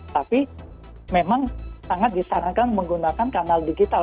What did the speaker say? tapi memang sangat disarankan menggunakan kanal digital